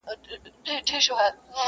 دا کيسه د انسانيت د سقوط ژور انځور دی.